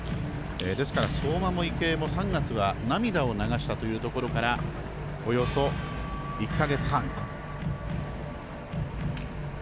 ですから、相馬も池江も３月は涙を流したというところからおよそ１か月半。